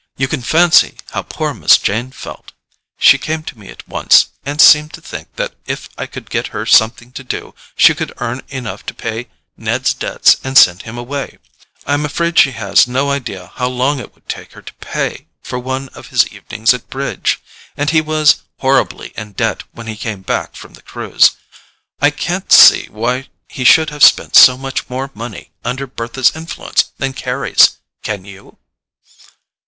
You can fancy how poor Miss Jane felt—she came to me at once, and seemed to think that if I could get her something to do she could earn enough to pay Ned's debts and send him away—I'm afraid she has no idea how long it would take her to pay for one of his evenings at bridge. And he was horribly in debt when he came back from the cruise—I can't see why he should have spent so much more money under Bertha's influence than Carry's: can you?"